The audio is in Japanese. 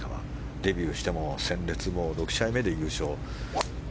デビューしても鮮烈で６試合目で優勝。